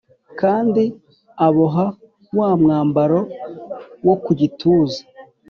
Kandi aboha wa mwambaro wo ku gituza